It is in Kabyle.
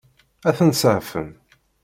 Ad ten-seɛfen?